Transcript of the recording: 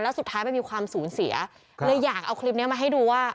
แล้วสุดท้ายมันมีความสูญเสียเลยอยากเอาคลิปนี้มาให้ดูว่า